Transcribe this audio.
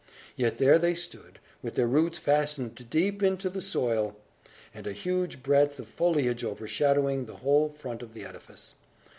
Yet there they stood, with their roots fastened deep into the soil, and a huge breadth of foliage overshadowing the whole front of the edifice.